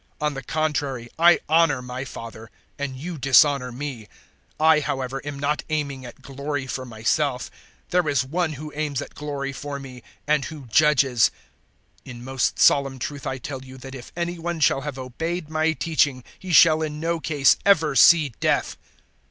"On the contrary I honour my Father, and you dishonour me. 008:050 I, however, am not aiming at glory for myself: there is One who aims at glory for me and who judges. 008:051 In most solemn truth I tell you that if any one shall have obeyed my teaching he shall in no case ever see death."